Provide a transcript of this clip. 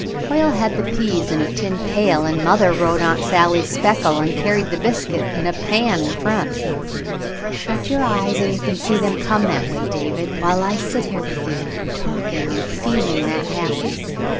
Hoyle had the peas in a tin pail, and mother rode Aunt Sally's Speckle and carried the biscuit in a pan on front. Shut your eyes and you can see them come that waj% David, while I sit here with you, talking and feeling that happy.